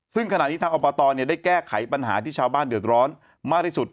ซึ่งขณะนี้ทางอบตได้แก้ไขปัญหาที่ชาวบ้านเดือดร้อนมากที่สุด